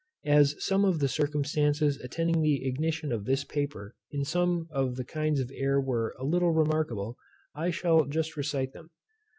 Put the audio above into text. As some of the circumstances attending the ignition of this paper in some of the kinds of air were a little remarkable, I shall just recite them.